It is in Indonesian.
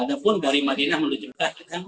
ada pun dari madinah menuju ke